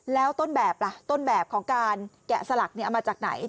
แล้วต้นแบบล่ะต้นแบบของการแกะสลักเอามาจากไหน